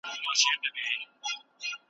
ولي زیارکښ کس د هوښیار انسان په پرتله ښه ځلېږي؟